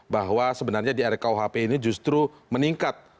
bahwa sebenarnya di rkuhp ini justru meningkat